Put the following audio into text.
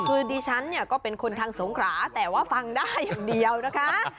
คือดิฉันเนี่ยก็เป็นคนทางสงขราแต่ว่าฟังได้อย่างเดียวนะคะ